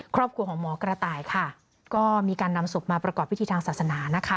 ครอบครัวของหมอกระต่ายค่ะก็มีการนำศพมาประกอบพิธีทางศาสนานะคะ